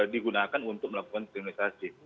digunakan untuk melakukan kriminalisasi